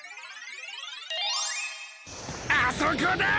あそこだ！